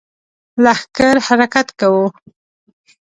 لښکر حرکت کوو.